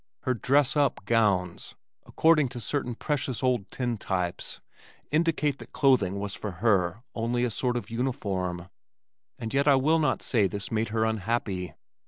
Her "dress up" gowns, according to certain precious old tintypes, indicate that clothing was for her only a sort of uniform, and yet I will not say this made her unhappy.